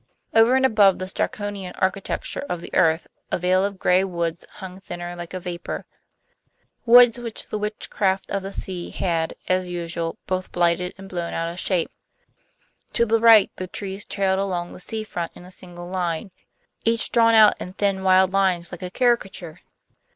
Over and above this draconian architecture of the earth a veil of gray woods hung thinner like a vapor; woods which the witchcraft of the sea had, as usual, both blighted and blown out of shape. To the right the trees trailed along the sea front in a single line, each drawn out in thin wild lines like a caricature.